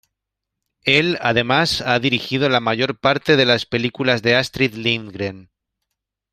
Él además ha dirigido la mayor parte de las películas de Astrid Lindgren.